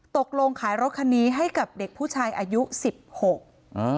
ตกลงขายรถคันนี้ให้กับเด็กผู้ชายอายุสิบหกอ่า